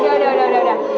udah udah udah